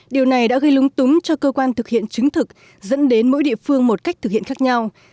điều này đã gây lúng túng cho cơ quan thực hiện chứng thực dẫn đến mỗi địa phương một cách thực hiện khác nhau